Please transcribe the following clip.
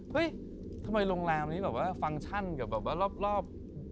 เฮ้ยทำไมโรงแรมนี่ฟังก์ชั่นกับมารอบ